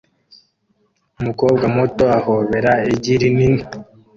umukobwa muto ahobera igi rinini